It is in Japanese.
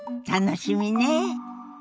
楽しみね。